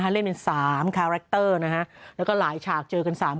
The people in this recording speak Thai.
คะเล่นเป็นสามคาร์แรคเตอร์นะคะแล้วก็หลายฉากเจอกันสาม